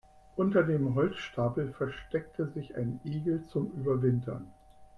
Unter dem Holzstapel versteckte sich ein Igel zum Überwintern.